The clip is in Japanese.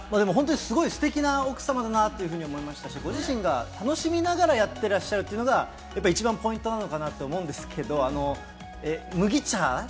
ステキな奥様だなと思いましたし、ご自身が楽しみながらやっていらっしゃるのが一番ポイントなのかなと思うんですけど。